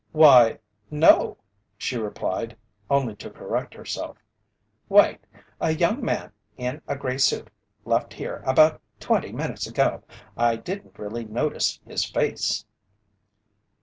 "Why, no," she replied, only to correct herself. "Wait! A young man in a gray suit left here about twenty minutes ago. I didn't really notice his face."